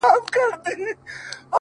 o صندان د محبت دي په هر واري مخته راسي؛